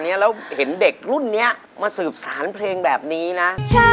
แล้วเห็นเด็กรุ่นนี้มาสืบสารเพลงแบบนี้นะ